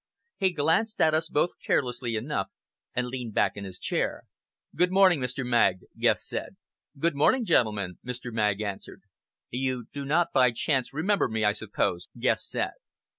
He glanced at us both carelessly enough, and leaned back in his chair. "Good morning, Mr. Magg!" Guest said. "Good morning, gentlemen!" Mr. Magg answered. "You do not by chance remember me, I suppose?" Guest said.